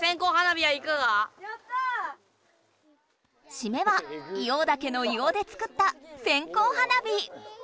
しめは硫黄岳の硫黄で作った線こう花火！